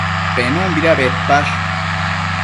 Penunbida bedpash?